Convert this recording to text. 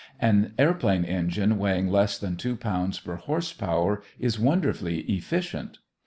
An airplane engine weighing less than 2 pounds per horse power is wonderfully efficient.